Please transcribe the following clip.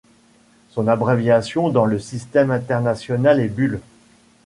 Son abréviation dans le système international est Bull.